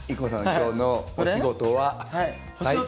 今日のお仕事は採点。